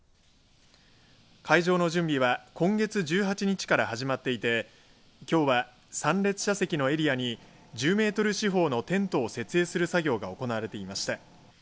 会場の準備は今月１８日から始まっていてきょうは参列者席のエリアに１０メートル四方のテントを設営する作業が行われていました。